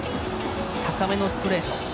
高めのストレート。